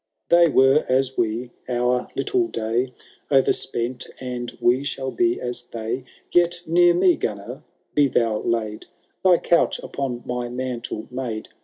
They were as we ; our little day Overspent, and we shall be as they. Yet near me, Gunnar, be thou laid,' Thy couch upon my mantle made.